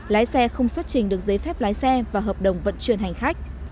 lái xe không xuất trình được giấy phép lái xe và hợp đồng vận chuyển hành khách